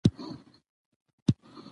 زه بيا هم درڅخه ډېره بخښنه غواړم.